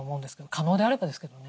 可能であればですけどね。